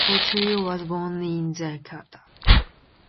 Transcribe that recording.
Portillo was born in Zacapa.